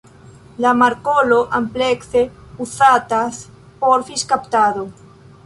La markolo amplekse uzatas por fiŝkaptado.